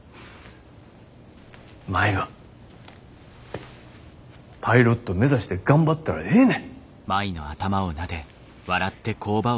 舞はパイロット目指して頑張ったらええね。